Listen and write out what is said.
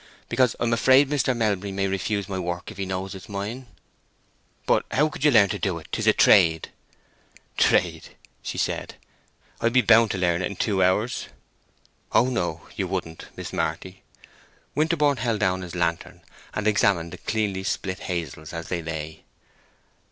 "Because I am afraid Mr. Melbury may refuse my work if he knows it is mine." "But how could you learn to do it? 'Tis a trade." "Trade!" said she. "I'd be bound to learn it in two hours." "Oh no, you wouldn't, Mrs. Marty." Winterborne held down his lantern, and examined the cleanly split hazels as they lay.